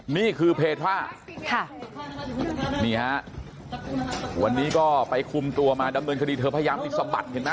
นี่คือเพจว่าค่ะนี่ฮะวันนี้ก็ไปคุมตัวมาดำเนินคดีเธอพยายามที่สะบัดเห็นไหม